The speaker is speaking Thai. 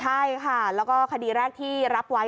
ใช่ค่ะแล้วก็คดีแรกที่รับไว้